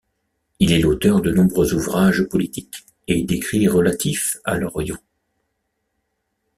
Il est l'auteur de nombreux ouvrages politiques et d'écrits relatifs à l'Orient.